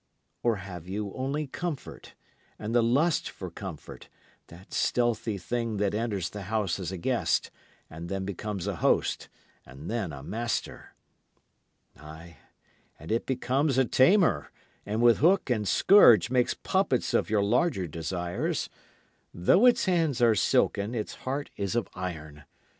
Or have you only comfort, and the lust for comfort, that stealthy thing that enters the house a guest, and then becomes a host, and then a master? Ay, and it becomes a tamer, and with hook and scourge makes puppets of your larger desires. Though its hands are silken, its heart is of iron.